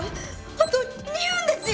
あと２分ですよ。